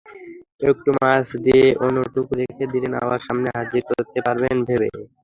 একটু মাছ দিয়ে অন্যটুকু রেখে দিলেন আবার সামনে হাজির করতে পারবেন ভেবে।